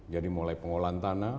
jadi mulai pengolahan tanah